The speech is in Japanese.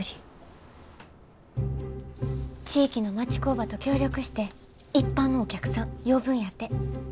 地域の町工場と協力して一般のお客さん呼ぶんやて。